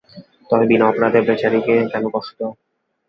তবে বিনা অপরাধে বেচারিকে কেন কষ্ট দাও।